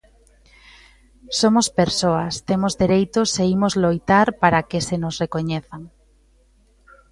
Somos persoas, temos dereitos e imos loitar para que se nos recoñezan.